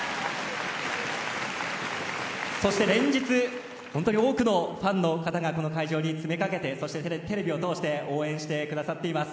そして連日多くのファンの方がこの会場に詰めかけてそしてテレビを通して応援してくださっています。